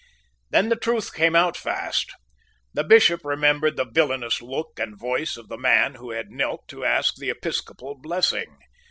Then the truth came out fast. The Bishop remembered the villanous look and voice of the man who had knelt to ask the episcopal blessing.